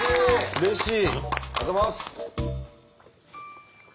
うれしい。